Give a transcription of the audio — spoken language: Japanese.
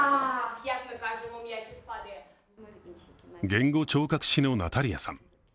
言語聴覚士のナタリアさん。